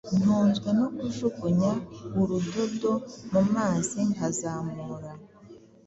Ntunzwe no kujugunya urudodo mu mazi nkazamura